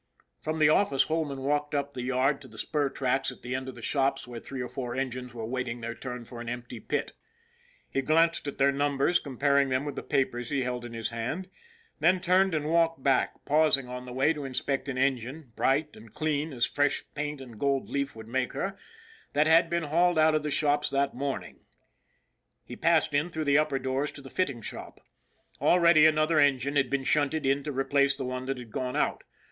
From the office Holman walked up the yard to the spur tracks at the end of the shops where three or four engines were waiting their turn for an empty pit. He glanced at their numbers, comparing them with the papers he held in his hand, then turned and walked back, pausing on the way to inspect an engine, bright and clean as fresh paint and gold leaf would make her, that had been hauled out of the shops that morn ing. He passed in through the upper doors to the fitting shop. Already another engine had been shunted in to replace the one that had gone out.